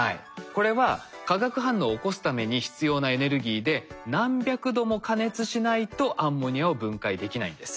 これは化学反応を起こすために必要なエネルギーで何百度も加熱しないとアンモニアを分解できないんです。